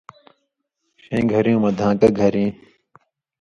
ݜَیں گھریُوں مہ دھان٘کہ گھرېں